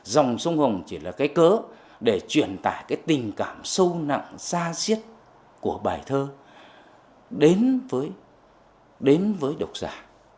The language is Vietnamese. dòng sông hồng chỉ là cái cớ để truyền tải cái tình cảm sâu nặng xa xiết của bài thơ đến với độc giả